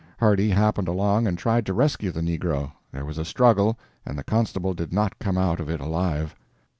Hardy happened along and tried to rescue the negro; there was a struggle, and the constable did not come out of it alive.